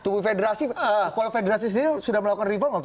kepala federasi sendiri sudah melakukan reform